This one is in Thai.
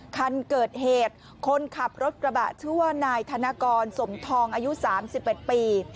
คันเกิดเหตุคนขับรถกระบะชื่อว่านายธนกรสมทองอายุ๓๑ปี